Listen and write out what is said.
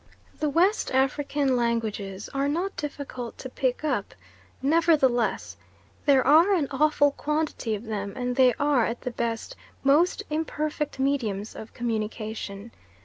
The West African languages are not difficult to pick up; nevertheless, there are an awful quantity of them and they are at the best most imperfect mediums of communication.